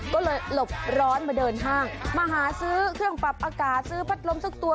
ก็เลยหลบร้อนมาเดินห้างมาหาซื้อเครื่องปรับอากาศซื้อพัดลมสักตัว